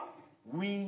ウィン。